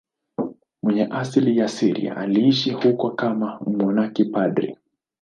Mwenye asili ya Syria, aliishi huko kama mmonaki padri.